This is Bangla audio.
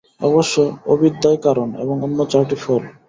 অবশ্য অবিদ্যাই কারণ এবং অন্য চারটি ফল।